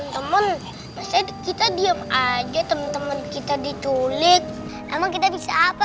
sampai jumpa lagi